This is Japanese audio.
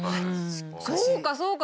そうかそうか。